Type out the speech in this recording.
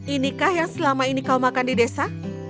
inikah yang selama ini kau makan di desa